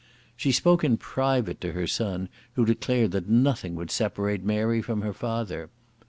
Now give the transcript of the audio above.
She spoke in private to her son, who declared that nothing would separate Mary from her father.